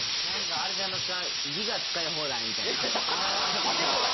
あれちゃいますか、ギガ使い放題みたいな。